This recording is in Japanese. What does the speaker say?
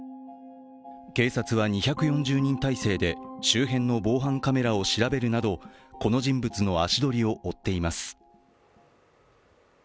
警察は、２４０人態勢で周辺の防犯カメラを調べるなどこの人物の足取りを追っています。